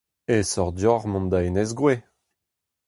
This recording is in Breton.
Aesoc'h deoc'h mont da Enez-Groe !